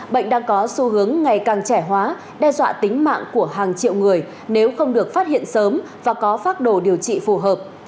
bệnh đang có xu hướng ngày càng trẻ hóa đe dọa tính mạng của hàng triệu người nếu không được phát hiện sớm và có phác đồ điều trị phù hợp